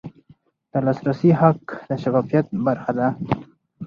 د لاسرسي حق د شفافیت برخه ده.